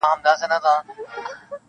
هره شپه چي تېرېده ته مي لیدلې-